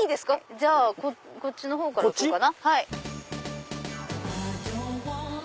じゃあこっちから行こうかな。